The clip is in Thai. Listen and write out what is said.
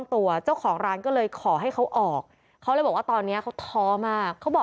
ต้องเศรษฐรายคนป่วยนะครับ